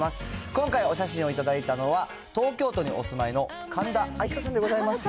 今回、お写真を頂いたのは、東京都にお住まいの神田愛花さんでございます。